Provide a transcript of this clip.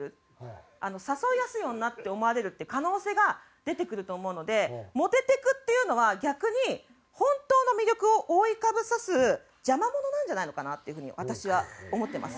誘いやすい女って思われるって可能性が出てくると思うのでモテテクっていうのは逆に本当の魅力を覆いかぶさす邪魔ものなんじゃないのかなっていう風に私は思ってます。